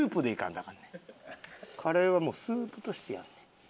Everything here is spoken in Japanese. カレーはもうスープとしてやるねん。